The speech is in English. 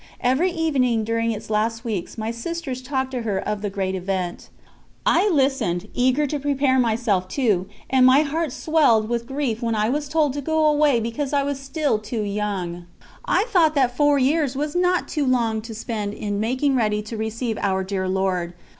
Every evening during its last weeks my sisters talked to her of the great event. I listened, eager to prepare myself too, and my heart swelled with grief when I was told to go away because I was still too young. I thought that four years was not too long to spend in making ready to receive Our dear Lord.